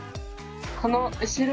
この後ろの。